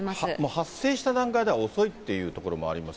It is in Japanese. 発生した段階では遅いっていうところもあります。